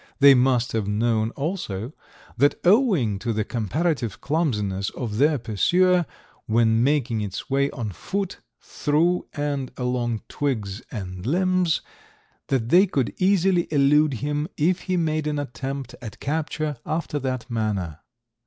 They must have known also that owing to the comparative clumsiness of their pursuer when making its way on foot through and along twigs and limbs, that they could easily elude him if he made an attempt at capture after that manner.